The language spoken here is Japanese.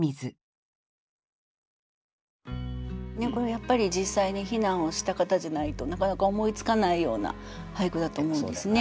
やっぱり実際に避難をした方じゃないとなかなか思いつかないような俳句だと思うんですね。